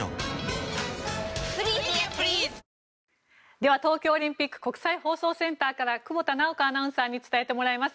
では、東京オリンピック国際放送センターから久保田直子アナウンサーに伝えてもらいます。